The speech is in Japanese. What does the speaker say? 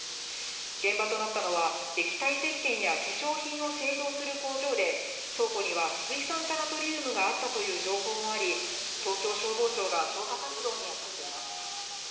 現場となったのは、液体せっけんや化粧品を製造する工場で、倉庫には水酸化ナトリウムがあったという情報もあり、東京消防庁が消火活動に当たっています。